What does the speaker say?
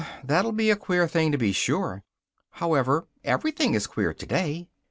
that'll be a queer thing, to be sure! However, every thing is queer today."